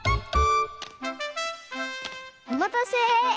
おまたせ！